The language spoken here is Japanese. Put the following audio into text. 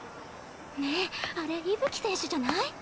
ねえあれ伊吹選手じゃない？